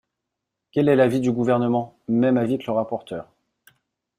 Quel est l’avis du Gouvernement ? Même avis que le rapporteur.